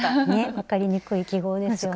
分かりにくい記号ですよね。